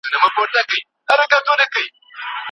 انسان د فکر او شعور له کبله نورو موجوداتو سره توپیر لري.